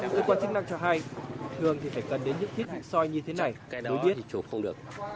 cơ quan chức năng cho hay thường thì phải cần đến những thiết bị soi như thế này đối với